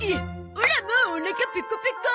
オラもうおなかペコペコ！